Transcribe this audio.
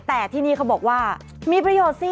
แต่ที่นี่เขาบอกว่ามีประโยชน์สิ